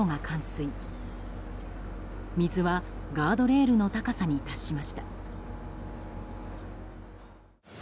水はガードレールの高さに達しました。